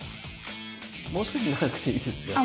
もう少し長くていいですよ。